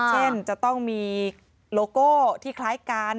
เช่นจะต้องมีโลโก้ที่คล้ายกัน